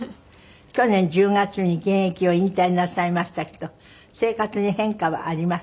去年１０月に現役を引退なさいましたけど生活に変化はあります？